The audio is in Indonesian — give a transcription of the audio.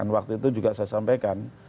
waktu itu juga saya sampaikan